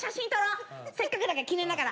せっかくだから記念だから。